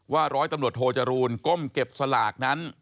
ร้อยตำรวจโทจรูลก้มเก็บสลากนั้น